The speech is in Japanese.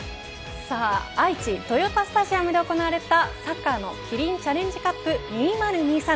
愛知、豊田スタジアムで行われたサッカーのキリンチャレンジカップ２０２３